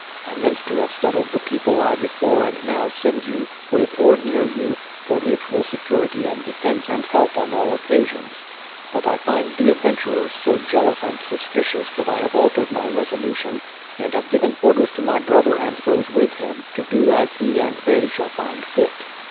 ... I meant to have settled the people I before and now send you, with or near you, for mutual security and defence and help on all occasions. But I find the adventurers so jealous and suspicious that I have altered my resolution, and have given orders to my brother and those with him to do as he and they shall find fit.